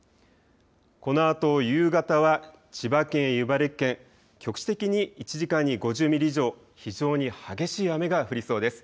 このあと夕方は千葉県、茨城県局地的に１時間に５０ミリ以上非常に激しい雨が降りそうです。